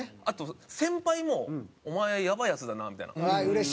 あと先輩も「お前やばいヤツだな」みたいな。